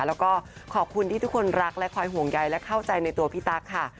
แล้วก็ขอบคุณที่ทุกคนรักและคอยห่วงใยและเข้าใจในตัวพี่ตั๊กค่ะ